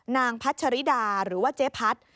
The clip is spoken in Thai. พัชริดาหรือว่าเจ๊พัด